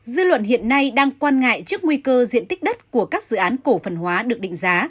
dư luận hiện nay đang quan ngại trước nguy cơ diện tích đất của các dự án cổ phần hóa được định giá